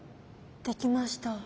できました。